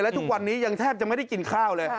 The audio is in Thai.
และทุกวันนี้ยังแทบจะไม่ได้กินข้าวเลย